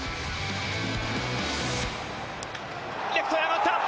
レフトへ上がった。